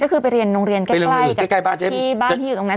ก็คือไปเรียนโรงเรียนใกล้ใกล้ใกล้ใกล้บ้านที่บ้านที่อยู่ตรงนั้น